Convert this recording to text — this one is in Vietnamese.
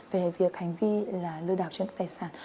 về việc hành vi lừa đảo chứng đoạt tài sản